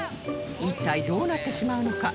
一体どうなってしまうのか？